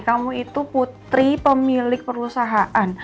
kamu itu putri pemilik perusahaan